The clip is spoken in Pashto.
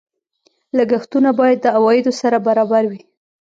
لګښتونه باید د عوایدو سره برابر وي.